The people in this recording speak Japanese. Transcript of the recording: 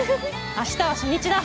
明日は初日だ。